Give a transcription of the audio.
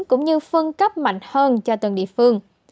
cũng như phân cấp mạnh hơn cho từng địa phương